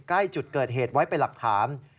ใกล้จุดเกิดเหตุไว้เป็นหลักฐาน